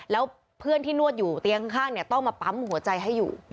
แล้วเพื่อนที่นวดอยู่เตียงข้างต้องมาปั๊มหัวใจให้อยู่